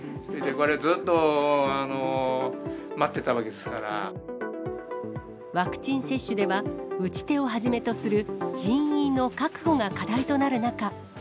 これ、ワクチン接種では、打ち手をはじめとする人員の確保が課題となる中。